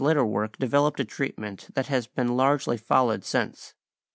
] Corot in his later work developed a treatment that has been largely followed since.